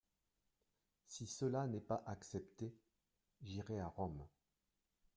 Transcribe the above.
Si cela n'est pas accepté, j'irai à Rome.